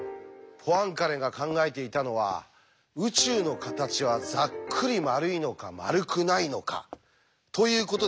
ポアンカレが考えていたのは「宇宙の形はざっくり丸いのか丸くないのか」ということでしたよね。